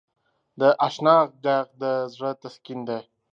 د اشنا ږغ د زړه تسکین دی.